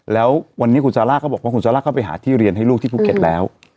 แล้ววันนี้คุณซาร่าก็บอกว่าคุณซาร่าเข้าไปหาที่เรียนให้ลูกที่ภูเก็ตแล้ว